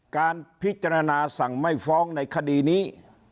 การพิจารณาสั่งไม่ฟ้องในคดีนี้